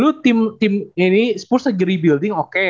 lu tim ini sepurs lagi rebuilding oke